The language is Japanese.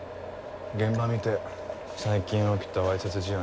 現場見て最近起きたわいせつ事案